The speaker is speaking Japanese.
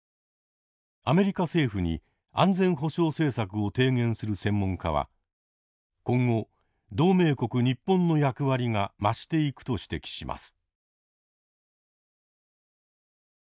アメリカ政府に安全保障政策を提言する専門家は今後同盟国日本の役割が増していくと指摘します。